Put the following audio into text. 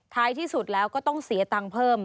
ท้ายที่สุดแล้วก็ต้องเสียตังค์เพิ่ม